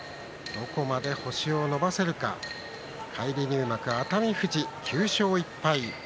どこまで星を伸ばせるか返り入幕、熱海富士９勝１敗です。